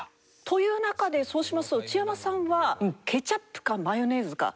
という中でそうしますと内山さんはケチャップかマヨネーズか？